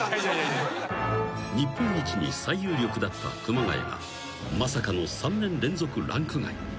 ［日本一に最有力だった熊谷がまさかの３年連続ランク外］